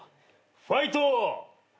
ファイト！